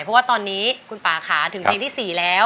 เพราะว่าตอนนี้คุณป่าค่ะถึงเพลงที่๔แล้ว